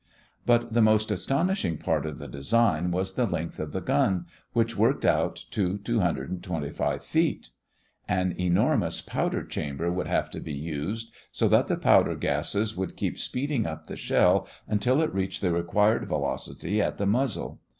But the most astonishing part of the design was the length of the gun, which worked out to 225 feet. An enormous powder chamber would have to be used, so that the powder gases would keep speeding up the shell until it reached the required velocity at the muzzle.